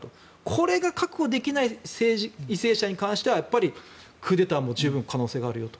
これが確保できない為政者に関してはクーデターも十分、可能性があるよと。